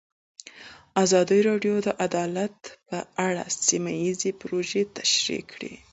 ازادي راډیو د عدالت په اړه سیمه ییزې پروژې تشریح کړې.